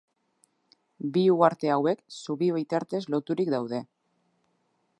Bi uharte hauek zubi bitartez loturik daude.